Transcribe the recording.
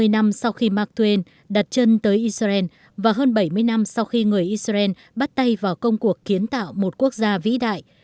một trăm năm mươi năm sau khi mark twain đặt chân tới israel và hơn bảy mươi năm sau khi người israel bắt tay vào công cuộc kiến tạo một quốc gia vĩ đại